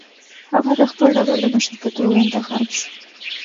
هغه د خپل ټبر د مشر په توګه انتخاب شو.